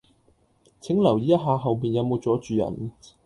請留意一下後面有無阻住人